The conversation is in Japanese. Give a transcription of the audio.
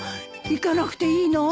行かなくていいの？